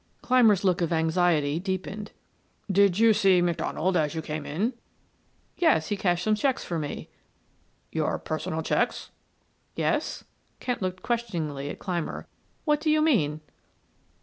Clymer's look of anxiety deepened. "Did you see McDonald as you came in?" "Yes, he cashed some checks for me." "Your personal checks?" "Yes." Kent looked questioningly at Clymer. "What do you mean?"